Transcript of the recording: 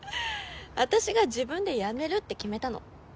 あたしが自分で辞めるって決めたの。